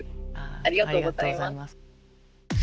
ありがとうございます。